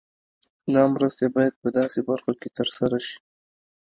دا مرستې باید په داسې برخو کې تر سره شي.